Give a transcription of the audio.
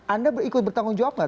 anda ikut bertanggung jawab nggak